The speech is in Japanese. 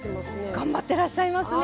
頑張ってらっしゃいますね。